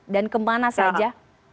dan kemana saja